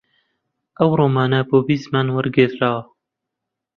ئەو ڕۆمانە بۆ بیست زمان وەرگێڕدراوە